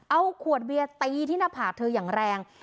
เอาขวดเบียร์ตีที่หน้าผากเธออย่างแรง